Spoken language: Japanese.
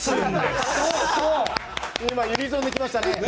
今ユニゾンできましたね。